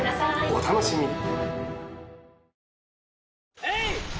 お楽しみに。